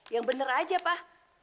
yang bener aja pak